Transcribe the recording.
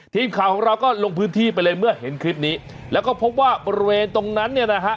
ทีมข่าวของเราก็ลงพื้นที่ไปเลยเมื่อเห็นคลิปนี้แล้วก็พบว่าบริเวณตรงนั้นเนี่ยนะฮะ